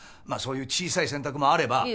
まあそういう小さい選択もあれば。